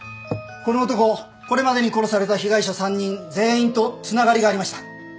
この男これまでに殺された被害者３人全員とつながりがありました